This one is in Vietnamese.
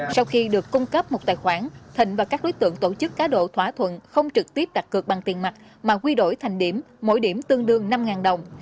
sau khi được cung cấp một tài khoản thịnh và các đối tượng tổ chức cá độ thỏa thuận không trực tiếp đặt cược bằng tiền mặt mà quy đổi thành điểm mỗi điểm tương đương năm đồng